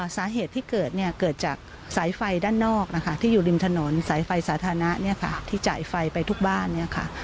สาเหตุที่เกิดเนี่ยเกิดจากสายไฟด้านนอกนะคะที่อยู่ริมถนนสายไฟสาธารณะเนี่ยค่ะที่จ่ายไฟไปทุกบ้านเนี่ยค่ะ